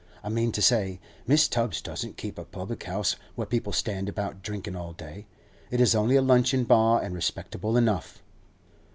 I mean to say, Mrs. Tubbs doesn't keep a public house where people stand about drinking all day. It is only a luncheon bar, and respectable enough.